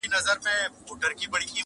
د غم کور به وي سوځلی د ښادۍ قاصد راغلی-